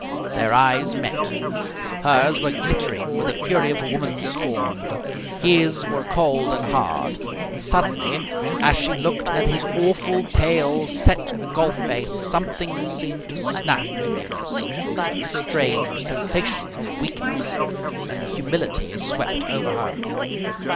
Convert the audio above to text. Their eyes met. Hers were glittering with the fury of a woman scorned. His were cold and hard. And, suddenly, as she looked at his awful, pale, set golf face, something seemed to snap in Eunice. A strange sensation of weakness and humility swept over her.